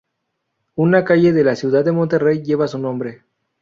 Una calle de la ciudad de Monterrey lleva su nombre.